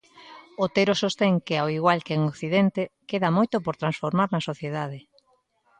Otero sostén que ao igual que en Occidente, queda moito por transformar na sociedade.